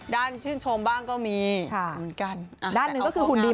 ชื่นชมบ้างก็มีค่ะเหมือนกันด้านหนึ่งก็คือหุ่นดิน